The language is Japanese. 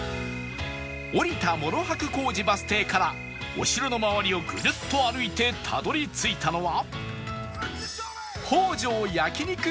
降りた諸白小路バス停からお城の周りをぐるっと歩いてたどり着いたのは